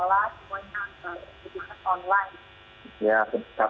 ya karena lagi ada tahun tahun